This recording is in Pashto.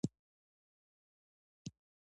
د ګرانولوما د سوزش ځانګړې بڼه ده.